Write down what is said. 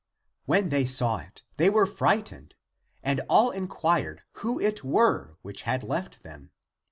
When they saw it, they were frightened and all inquired who it were which had left them.